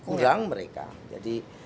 kurang mereka jadi